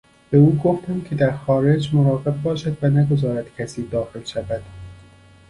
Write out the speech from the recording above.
به او گفتم که در خارج مراقب باشد و نگذارد کسی داخل شود.